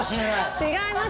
違います。